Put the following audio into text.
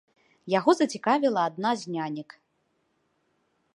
Яго зацікавіла адна з нянек.